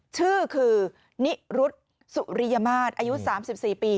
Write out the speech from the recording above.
ชื่อคือนิรุธสุริยมาตรอายุ๓๔ปี